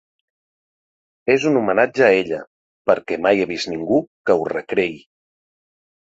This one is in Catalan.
És un homenatge a ella, perquè mai he vist ningú que ho recreï.